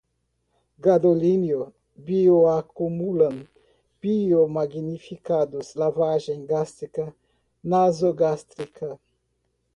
teobromina, mercúrio, gadolínio, bioacumulam, biomagnificados, lavagem gástrica, nasogástrica